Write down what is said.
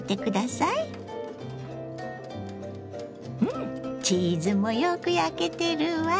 うんチーズもよく焼けてるわ！